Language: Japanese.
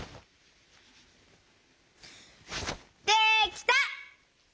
できた！